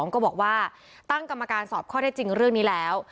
ก็บอกว่าตั้งกรรมการสอบข้อได้จริงเรื่องนี้แล้ว